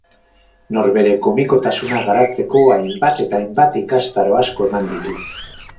Norbere komikotasuna garatzeko hainbat eta hainbat ikastaro asko eman ditu.